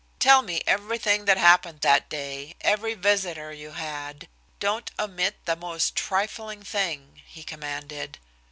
"Tell me everything that happened that day, every visitor you had; don't omit the most trifling thing," he commanded.